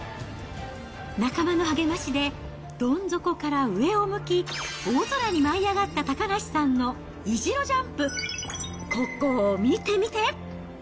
仲間の励ましでどん底から上を向き、大空に舞い上がった高梨さんの意地のジャンプ、ココ見て見て！